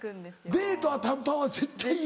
デートは短パンは絶対嫌。